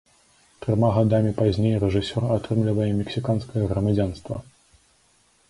Трыма гадамі пазней рэжысёр атрымлівае мексіканскае грамадзянства.